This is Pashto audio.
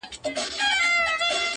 پردو زموږ په مټو یووړ تر منزله-